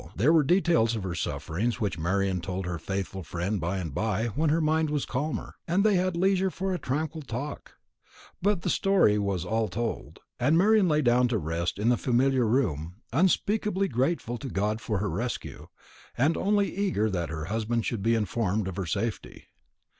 There were details of her sufferings which Marian told her faithful friend by and by, when her mind was calmer, and they had leisure for tranquil talk; but the story was all told; and Marian lay down to rest in the familiar room, unspeakably grateful to God for her rescue, and only eager that her husband should be informed of her safety.